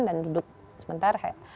dan duduk sementara